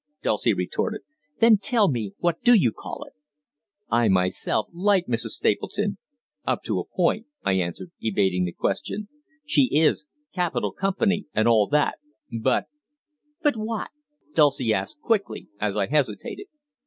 Dulcie retorted. "Then tell me what you do call it." "I myself like Mrs. Stapleton up to a point," I answered, evading the question. "She is capital company and all that, but " "But what?" Dulcie asked quickly, as I hesitated.